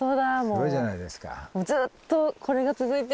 すごいじゃないですか。